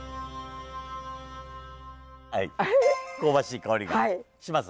香ばしい香りがします？